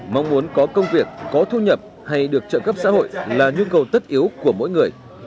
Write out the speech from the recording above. mong muốn có công việc có thu nhập hay được trợ cấp xã hội là nhu cầu tất yếu của mỗi người